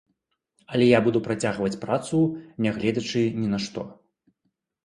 Але я буду працягваць працу, нягледзячы ні на што.